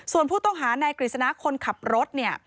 ส่วนผู้ต้องหานายกฤษณะคนขับรถเนี่ย